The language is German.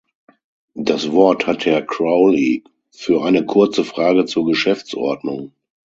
Das Wort hat Herr Crowley für eine kurze Frage zur Geschäftsordnung.